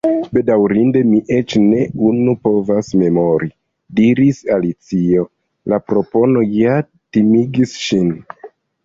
"Bedaŭrinde, mi eĉ ne unu povas memori," diris Alicio. La propono ja timigis ŝin.